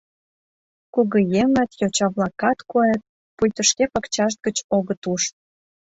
Кугыеҥат, йоча-влакат койыт, пуйто шке пакчашт гыч огыт уж.